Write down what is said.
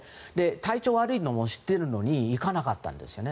体調が悪いのを知っているのに行かなかったんですよね。